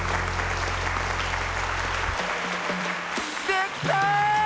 できた！